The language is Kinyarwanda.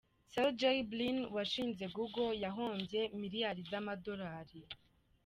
Sergey Brin, washinze Google: yahombye miliyari z’amadolari.